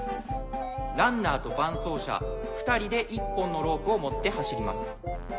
ランナーと伴走者２人で１本のロープを持って走ります。